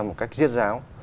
một cách riết ráo